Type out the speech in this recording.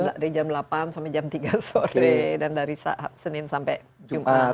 dari jam delapan sampai jam tiga sore dan dari senin sampai jumat